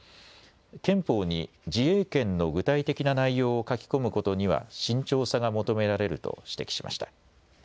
憲法に自衛権の具体的な内容を書き込むことには慎重さが求められると指摘しました。